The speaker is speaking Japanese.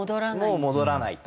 もう戻らないと。